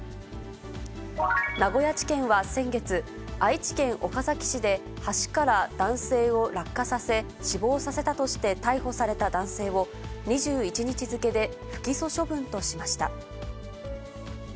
名古屋地検は先月、愛知県岡崎市で、橋から男性を落下させ、死亡させたとして逮捕された男性を、２１日付で不起訴処分としました。